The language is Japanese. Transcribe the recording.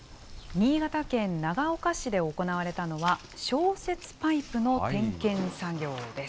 新潟県長岡市で行われたのは、消雪パイプの点検作業です。